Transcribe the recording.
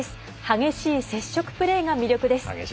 激しい接触プレーが魅力です。